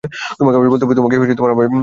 তোমাকে আমায় বলতে হবে।